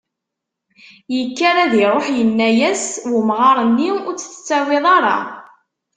Yekker ad iruḥ yenna-as, umɣar-nni ur tt-tettawiḍ ara.